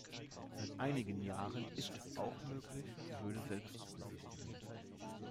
Seit einigen Jahren ist es auch möglich, die Höhle selbst zu besichtigen.